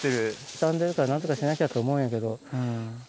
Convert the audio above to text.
傷んでるからなんとかしたいと思うんやけど。